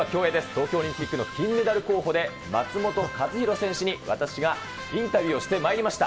東京オリンピックの金メダル候補で、松元克央選手に私がインタビューをしてまいりました。